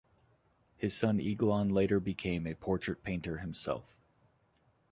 His son Eglon later became a portrait painter himself.